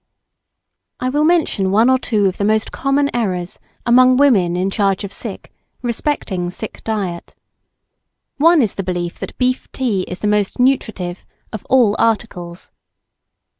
] I will mention one or two of the most common errors among women in charge of sick respecting sick diet. One is the belief that beef tea is the most nutritive of all articles.